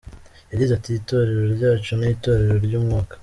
Yagize ati “Itorero ryacu ni itorero ry’umwuka.